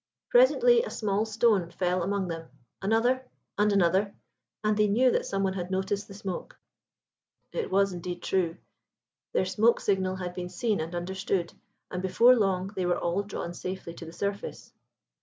Presently a small stone fell among them—another—and another, and they knew that some one had noticed the smoke. [It was indeed true. Their smoke signal had been seen and understood, and before long they were all drawn safely to the surface.